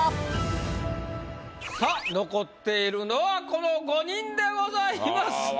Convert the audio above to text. さぁ残っているのはこの５人でございます。